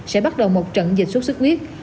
sẽ bắt đầu một trận dịch sốt sốt huyết